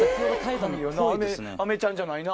アメちゃんじゃないな。